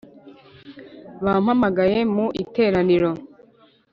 Bampamagaye mu iteraniro